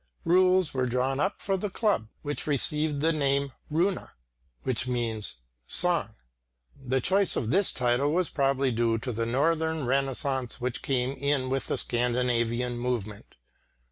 Rules were drawn up for the club, which received the name "Runa," i.e. "song." The choice of this title was probably due to the Northern renaissance which came in with the Scandinavian movement.